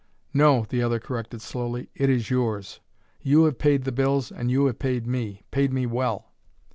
"No," the other corrected slowly, "it is yours. You have paid the bills and you have paid me. Paid me well."